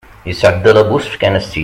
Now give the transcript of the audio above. yesɛedda la bǧurse fkan-as-tt-id